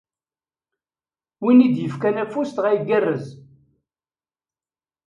Win i d-yefkan afus, dɣa igerrez.